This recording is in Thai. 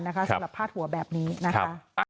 สำหรับพาดหัวแบบนี้นะคะ